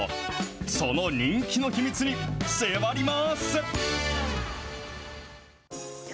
その人気の秘密に迫ります。